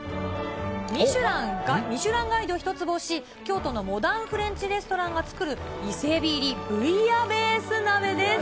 ミシュラガイド１つ星、京都のモダンフレンチレストランが作る、伊勢エビ入りブイヤベース鍋です。